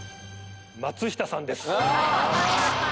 松下さんです。